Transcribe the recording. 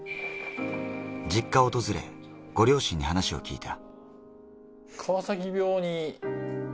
実家を訪れ、ご両親に話を聞いた。